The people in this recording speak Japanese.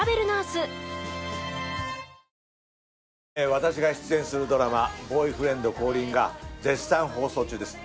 私が出演するドラマ『ボーイフレンド降臨！』が絶賛放送中です。